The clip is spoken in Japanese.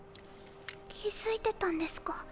気付いてたんですか。